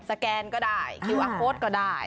สแกนก็ได้คิวอัพโฟตก็ได้